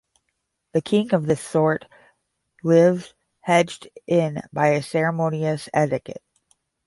A king of this sort lives hedged in by a ceremonious etiquette.